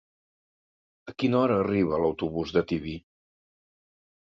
A quina hora arriba l'autobús de Tibi?